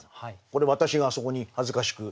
これ私があそこに恥ずかしく。